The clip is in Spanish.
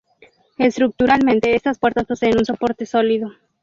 Estructuralmente, estas puertas poseen un soporte sólido